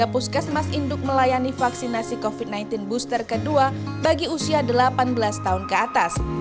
puskesmas induk melayani vaksinasi covid sembilan belas booster kedua bagi usia delapan belas tahun ke atas